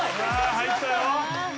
入ったよ。